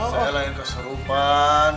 saya lagi keserupan